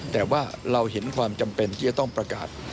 แต่ว่าเราเห็นความจำเป็นที่จะต้องประกาศ